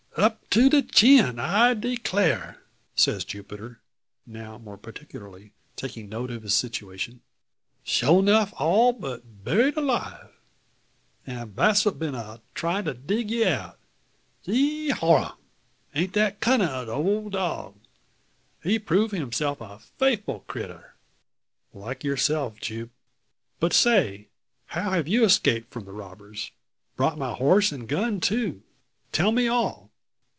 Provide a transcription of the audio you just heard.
"Up to de chin I declar'!" says Jupiter, now more particularly taking note of his situation, "Sure enough, all but buried 'live. An' Brasfort been a tryin' to dig ye out! Geehorum! Aint that cunnin' o' the ole dog? He have prove himself a faithful critter." "Like yourself, Jupe. But say! How have you escaped from the robbers? Brought my horse and gun too! Tell me all!"